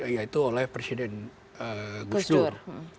yaitu oleh presiden gus dur